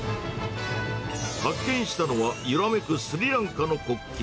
発見したのは、揺らめくスリランカの国旗。